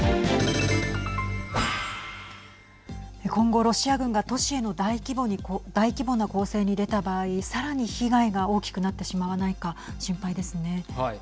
今後、ロシア軍が都市への大規模な攻勢に出た場合さらに被害が大きくなってしまわないかはい。